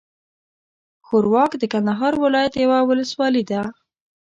ښوراوک د کندهار ولايت یوه اولسوالي ده.